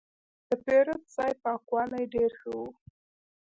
د پیرود ځای پاکوالی ډېر ښه و.